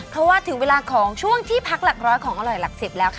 เพราะว่าถึงเวลาของช่วงที่พักหลักร้อยของอร่อยหลัก๑๐แล้วค่ะ